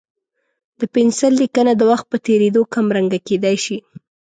د پنسل لیکنه د وخت په تېرېدو کمرنګه کېدای شي.